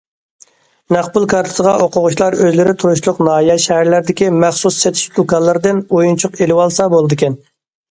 نەق پۇل كارتىسىغا ئوقۇغۇچىلار ئۆزلىرى تۇرۇشلۇق ناھىيە، شەھەرلەردىكى مەخسۇس سېتىش دۇكانلىرىدىن ئويۇنچۇق ئېلىۋالسا بولىدىكەن.